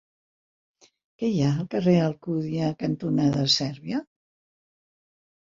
Què hi ha al carrer Alcúdia cantonada Sèrbia?